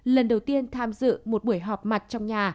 lần đầu tiên tham dự một buổi họp mặt trong nhà